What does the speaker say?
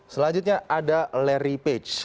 selanjutnya ada larry page